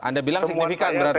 anda bilang signifikan berarti